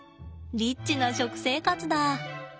リッチな食生活だ。